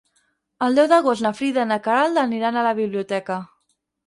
El deu d'agost na Frida i na Queralt aniran a la biblioteca.